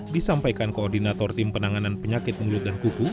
disampaikan koordinator tim penanganan penyakit mulut dan kuku